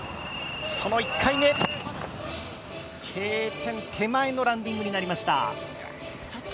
Ｋ点手前のランディングになりました。